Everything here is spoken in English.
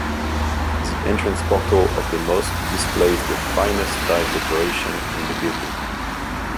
The entrance portal of the mosque displays the finest tile decoration in the building.